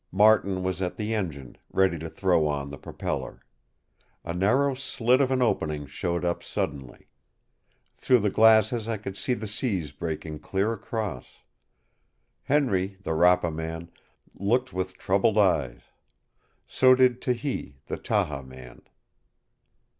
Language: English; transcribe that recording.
Martin was at the engine, ready to throw on the propeller. A narrow slit of an opening showed up suddenly. Through the glasses I could see the seas breaking clear across. Henry, the Rapa man, looked with troubled eyes; so did Tehei, the Tahaa man.